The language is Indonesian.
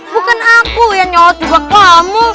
bukan aku yang nyot juga kamu